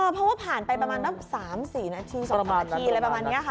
อ๋อเพราะว่าผ่านไปประมาณนับสามสี่นาทีสองสามนาทีประมาณนี้ค่ะ